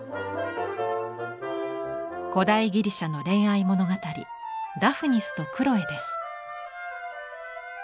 古代ギリシャの恋愛物語「ダフニスとクロエ」です。